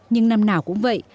nhưng năm nào cũng vậy